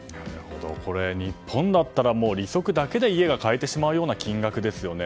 これ、日本だったら利息だけで家が買えてしまうような金額ですよね。